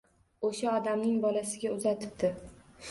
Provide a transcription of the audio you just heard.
O’sha odamning bolasiga uzatibdi.